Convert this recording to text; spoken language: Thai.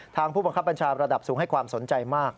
ผู้บังคับบัญชาระดับสูงให้ความสนใจมาก